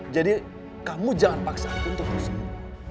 jadi kamu jangan paksa aku untuk sembuh